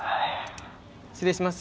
失礼します。